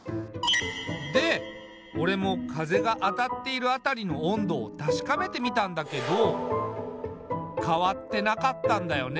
で俺も風が当たっている辺りの温度を確かめてみたんだけど変わってなかったんだよね。